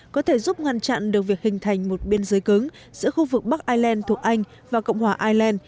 có thể giúp ngăn chặn được việc hình thành một biên giới cứng giữa khu vực bắc ireland thuộc anh và cộng hòa ireland